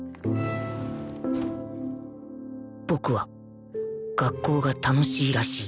僕は学校が楽しいらしい